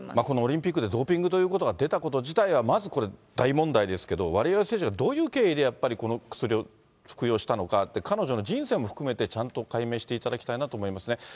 このオリンピックでドーピングということが出たこと自体、まずこれ大問題ですけど、ワリエワ選手がどういう経緯で、やっぱりこの薬を服用したのかって、彼女の人生も含めてちゃんと解明していただきたいなと思いますね。